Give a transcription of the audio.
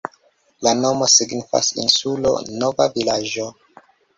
La nomo signifas insulo-nova-vilaĝo.